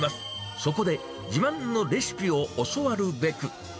そこで、自慢のレシピを教わるべく。